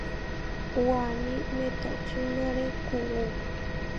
Waní metačinare kuú.